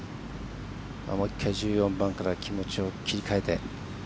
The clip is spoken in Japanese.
もう１回１４番から気持ちを切り替えて。